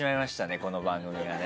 この番組がね。